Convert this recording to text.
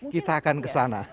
kita akan kesana